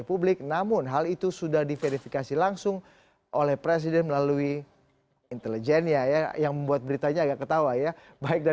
publik belum ketahui